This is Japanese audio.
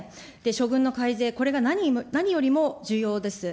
処遇の改善、これが何よりも重要です。